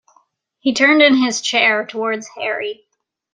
He turned in his chair towards Harry.